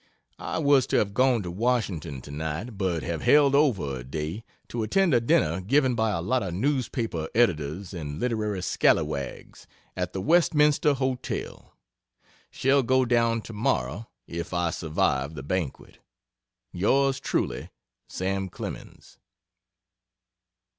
I was to have gone to Washington tonight, but have held over a day, to attend a dinner given by a lot of newspaper Editors and literary scalliwags, at the Westminster Hotel. Shall go down to morrow, if I survive the banquet. Yrs truly SAM. CLEMENS.